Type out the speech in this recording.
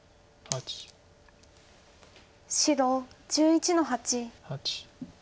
白１１の八。